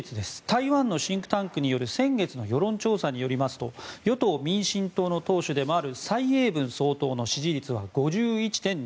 台湾のシンクタンクによる先月の世論調査によりますと与党・民進党の党首でもある蔡英文総統の支持率は５１．２％。